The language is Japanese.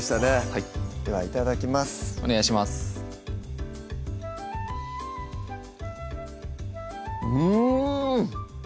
はいではいただきますお願いしますうん！